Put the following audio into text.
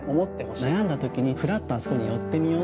悩んだ時にフラっとあそこに寄ってみよう。